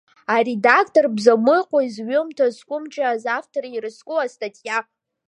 Аредактор бзамыҟәи зҩымҭа зқәымҿиаз автори ирызку астатиа?!